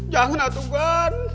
jangan atuh gan